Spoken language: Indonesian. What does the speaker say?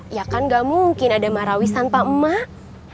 ya kan gak mungkin ada marawi tanpa emak